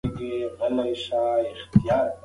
کړکۍ په باد کې ښوري.